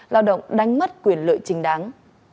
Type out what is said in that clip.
lao động đánh mất quyền lợi chính đáng